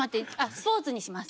「スポーツ」にします。